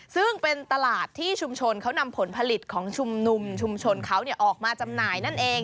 ซึ่งเป็นตลาดที่ชุมชนเขานำผลผลิตของชุมนุมชุมชนเขาออกมาจำหน่ายนั่นเอง